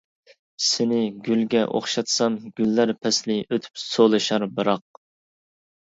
سېنى گۈلگە ئوخشاتسام، گۈللەر، پەسلى ئۆتۈپ سولىشار بىراق.